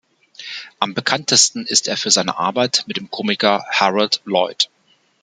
Am bekanntesten ist er für seine Arbeit mit dem Komiker Harold Lloyd.